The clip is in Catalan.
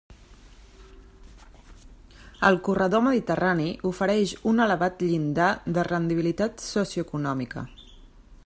El corredor mediterrani ofereix un elevat llindar de rendibilitat socioeconòmica.